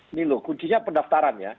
ini loh kuncinya pendaftaran ya